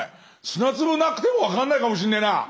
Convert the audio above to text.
砂粒なくてもわかんないかもしんねえな。